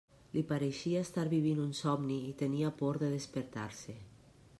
Li pareixia estar vivint un somni i tenia por de despertar-se.